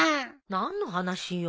何の話よ。